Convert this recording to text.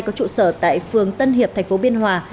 có trụ sở tại phường tân hiệp tp biên hòa